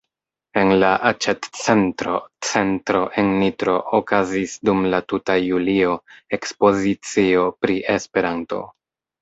En la aĉetcentro "Centro" en Nitro okazis dum la tuta julio ekspozicio pri Esperanto.